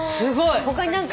他に何か。